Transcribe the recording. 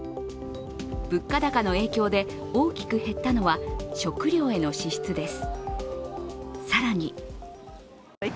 物価高の影響で大きく減ったのは食料への支出です。